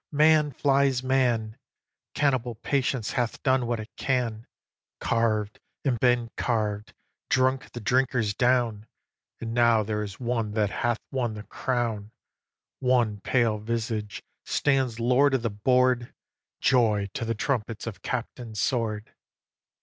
Man flies man; Cannibal patience hath done what it can Carv'd, and been carv'd, drunk the drinkers down, And now there is one that hath won the crown: One pale visage stands lord of the board Joy to the trumpets of Captain Sword!